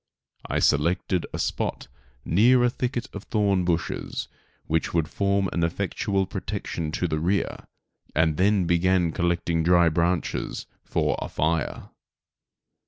I selected a spot near a thicket of thorn bushes, which would form an effectual protection to the rear, and then began collecting dry branches for a fire.